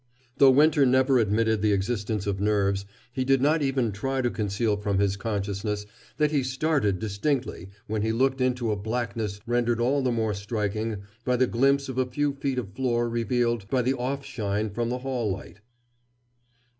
Though Winter never admitted the existence of nerves, he did not even try to conceal from his own consciousness that he started distinctly when he looked into a blackness rendered all the more striking by the glimpse of a few feet of floor revealed by the off shine from the hall light.